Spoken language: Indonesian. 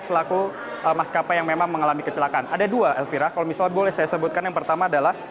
selaku maskapai yang memang mengalami kecelakaan ada dua elvira kalau misalnya boleh saya sebutkan yang pertama adalah